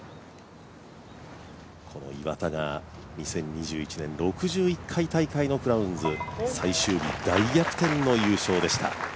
この岩田が２０２１年６１回大会のクラウンズ、最終日、大逆転の優勝でした。